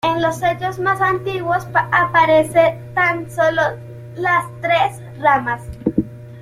En los sellos más antiguos aparece tan solo las tres ramas.